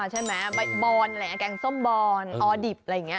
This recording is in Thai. ใช่ไหมบอลแกงส้มบอลออดิบอะไรอย่างนี้